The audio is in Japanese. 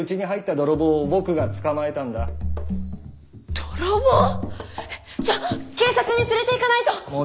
泥棒⁉えっじゃあ警察に連れていかないとッ！